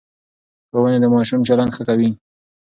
ښوونې د ماشوم چلند ښه کوي.